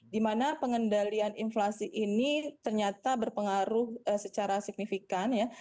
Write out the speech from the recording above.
dimana pengendalian inflasi ini ternyata berpengaruh secara signifikan ya